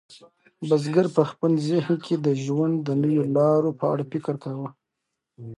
بزګر په خپل ذهن کې د ژوند د نویو لارو په اړه فکر کاوه.